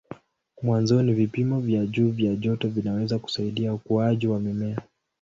Mwanzoni vipimo vya juu vya joto vinaweza kusaidia ukuaji wa mimea.